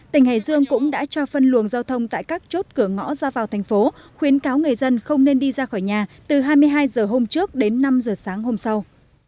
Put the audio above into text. tỉnh hải dương cũng đã cho phân luồng giao thông tại các chốt cửa ngõ ra vào thành phố khuyến cáo người dân không nên đi ra khỏi nhà từ hai mươi hai h hôm trước đến năm h sáng hôm sau